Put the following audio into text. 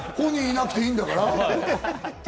本人、いなくていいんだから。